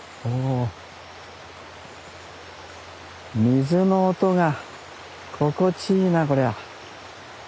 水の音が心地いいなこりゃ。